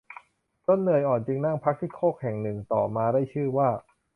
จนเหนื่อยอ่อนจึงนั่งพักที่โคกแห่งหนึ่งต่อมาได้ชื่อว่า